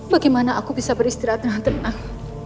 bagaimana aku bisa beristirahat dengan tenang